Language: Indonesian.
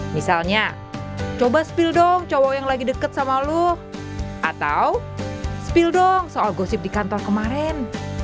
misalnya coba spill dong cowok yang lagi deket sama lo atau spill dong soal gosip di kantor kemarin